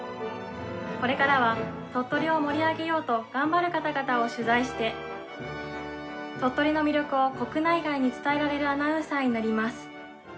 これからは鳥取を盛り上げようと頑張る方々を取材して鳥取の魅力を国内外に伝えられるアナウンサーになります。